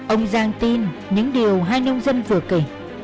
ông giang tin những điều hai nông dân vừa kể